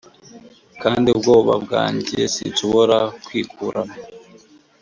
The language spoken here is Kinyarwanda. kandi ubwoba bwanjye, sinshobora kwikuramo--